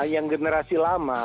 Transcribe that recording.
yang generasi lama